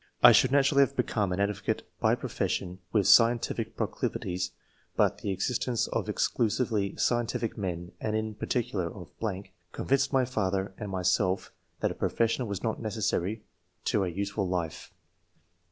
I should naturally have become an advocate by profession, with scientific proclivities, but the existence of exclusively scientific men, and in particular, of ...., (convinced my father and myself that a pro fession was not necessary to a useful life."